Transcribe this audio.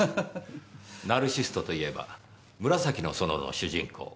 ナルシストといえば『紫の園』の主人公